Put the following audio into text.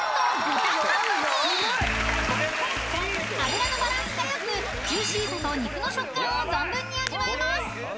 ［脂のバランスがよくジューシーさと肉の食感を存分に味わえます］